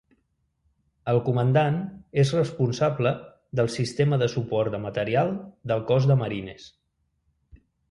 El Comandant és responsable del sistema de suport de material del Cos de Marines.